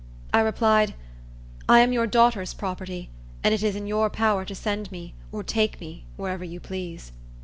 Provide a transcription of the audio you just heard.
I replied, "I am your daughter's property, and it is in your power to send me, or take me, wherever you please."